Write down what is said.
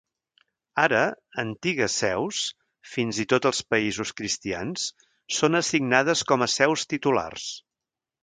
Ara, antigues seus, fins i tot als països cristians, són assignades com a seus titulars.